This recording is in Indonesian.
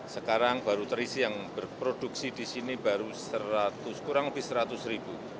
sekarang baru terisi yang berproduksi di sini baru kurang lebih seratus ribu